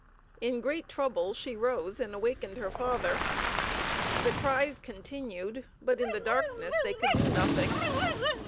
In great trouble she rose and awakened her father. The cries continued, but in the darkness they could do nothing.